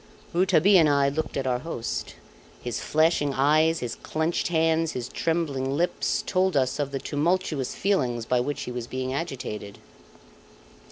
Rouletabille and I looked at our host. His flashing eyes, his clenched hands, his trembling lips, told us of the tumultuous feelings by which he was being agitated.